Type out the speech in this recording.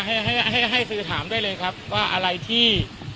ให้ให้สื่อถามได้เลยครับว่าอะไรที่